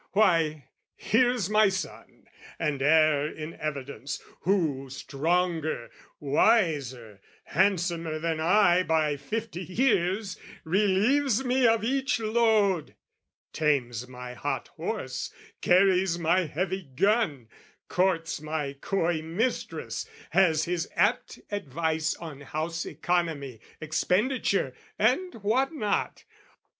Why, here's my son and heir in evidence, Who stronger, wiser, handsomer than I By fifty years, relieves me of each load, Tames my hot horse, carries my heavy gun, Courts my coy mistress, has his apt advice On house economy, expenditure, And what not?